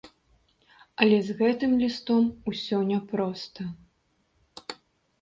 Але з гэтым лістом усё няпроста.